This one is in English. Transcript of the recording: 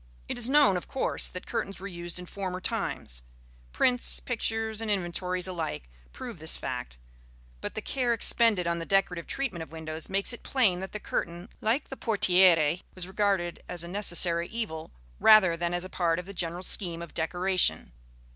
It is known, of course, that curtains were used in former times: prints, pictures and inventories alike prove this fact; but the care expended on the decorative treatment of windows makes it plain that the curtain, like the portière, was regarded as a necessary evil rather than as part of the general scheme of decoration.